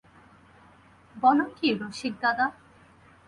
বল কী রসিকদাদা?